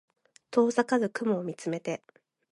遠ざかる雲を見つめて